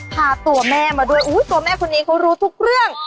พาตัวแม่มาด้วยตัวแม่คนนี้เขารู้ทุกเรื่อง